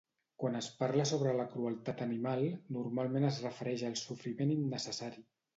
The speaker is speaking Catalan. Quan es parla sobre la crueltat animal, normalment es refereix al sofriment innecessari.